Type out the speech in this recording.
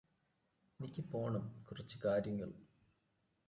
എനിക്കു പോണം കുറച്ച് കാര്യങ്ങള്